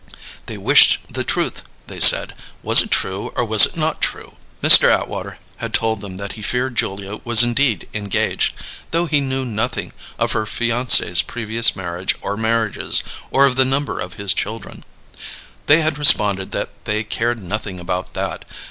They wished the truth, they said: Was it true or was it not true? Mr. Atwater had told them that he feared Julia was indeed engaged, though he knew nothing of her fiancé's previous marriage or marriages, or of the number of his children. They had responded that they cared nothing about that.